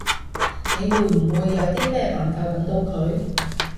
你會唔會有啲咩辦法搵到佢？